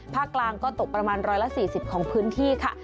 ภาคกลางก็ตกประมาณร้อยละสี่สิบของพื้นที่ค่ะ